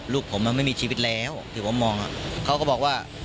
ลูกผมมันไม่มีชีวิตแล้วที่ผมมองเขาก็บอกว่า